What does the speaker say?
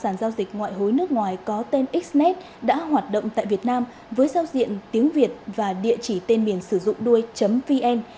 ngoại hối nước ngoài có tên xnet đã hoạt động tại việt nam với giao diện tiếng việt và địa chỉ tên miền sử dụng đuôi vn